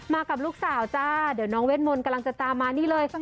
กับลูกสาวจ้าเดี๋ยวน้องเวทมนต์กำลังจะตามมานี่เลย